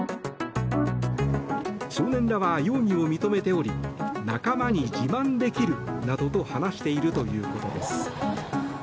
少年らは容疑を認めており仲間に自慢できるなどと話しているということです。